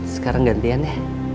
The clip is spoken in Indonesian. sekarang gantian ya